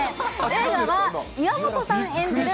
映画は岩本さん演じる